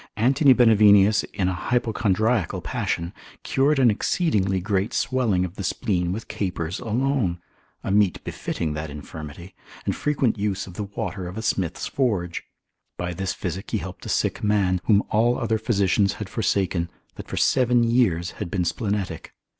Antony Benevenius in a hypochondriacal passion, cured an exceeding great swelling of the spleen with capers alone, a meat befitting that infirmity, and frequent use of the water of a smith's forge; by this physic he helped a sick man, whom all other physicians had forsaken, that for seven years had been splenetic.